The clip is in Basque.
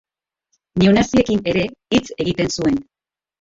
Neonaziekin ere hitz egiten zuen.